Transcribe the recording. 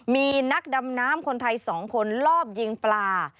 มีนักดำน้ำคนไทย๒คนลอบยิงปลา